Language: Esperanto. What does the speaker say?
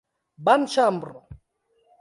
banĉambro